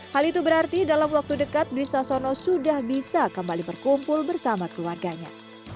hal itu berarti dalam waktu dekat dwi sasono sudah bisa kembali berkumpul bersama keluarganya